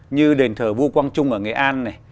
như đền thờ vua quang trung ở nghệ an này